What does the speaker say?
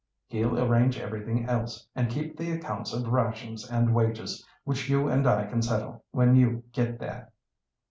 He'll arrange everything else and keep the accounts of rations and wages, which you and I can settle when you get there."